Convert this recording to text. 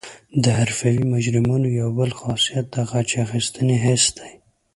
د حرفوي مجرمینو یو بل خاصیت د غچ اخیستنې حس دی